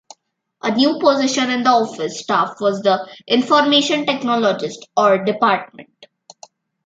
A new position in the office staff was the information technologist, or department.